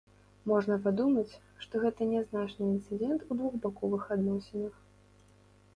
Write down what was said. Можна падумаць, што гэта нязначны інцыдэнт у двухбаковых адносінах.